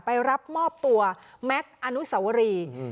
ไปรับมอบตัวแม็กซ์อนุสวรี